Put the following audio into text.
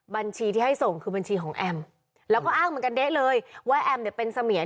บัญชีที่ให้ส่งคือบัญชีของแอมแล้วก็อ้างเหมือนกันเด๊ะเลยว่าแอมเนี่ยเป็นเสมียร